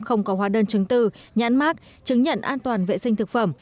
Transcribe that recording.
không có hóa đơn chứng từ nhãn mắc chứng nhận an toàn vệ sinh thực phẩm